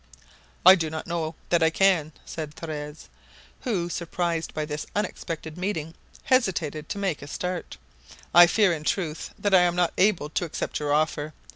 "I do not know that I can," said Torres, who, surprised by this unexpected meeting, hesitated to make a start. "I fear in truth that I am not able to accept your offer.